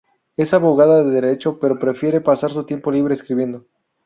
Es abogada de derecho, pero prefiere pasar su tiempo libre escribiendo.